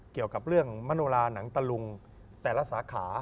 เกี่ยวกับเรื่องมโนลาหนังตะลุงแต่ละสาขา